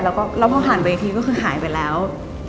แล้วพอหันไปอีกทีก็คือหายไปแล้ว